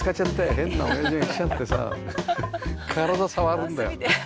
変なおやじが来ちゃってさ体触るんだよ」。